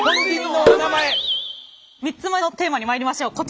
３つ目のテーマにまいりましょう。